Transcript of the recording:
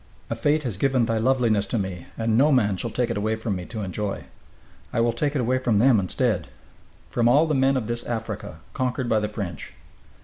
A fate has given thy loveliness to me, and no man shall take it away from me to enjoy. I will take it away from them instead! From all the men of this Africa, conquered by the French.